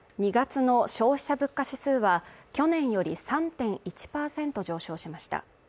２月の消費者物価指数は去年より３．１％上昇しました。